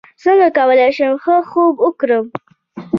څنګه کولی شم ښه خوب وکړم